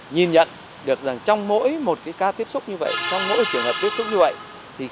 nhìn nhận được rằng trong mỗi một ca tiếp xúc như vậy trong mỗi trường hợp tiếp xúc như vậy